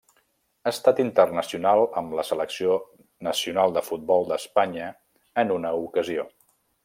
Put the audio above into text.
Ha estat internacional amb la selecció nacional de futbol d'Espanya en una ocasió.